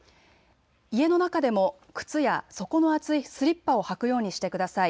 家の中でも靴や底の厚いスリッパを履くようにしてください。